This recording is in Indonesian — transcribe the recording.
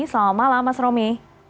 selamat malam mas romi